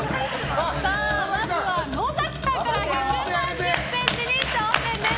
まずは野崎さんから１３０ｃｍに挑戦です。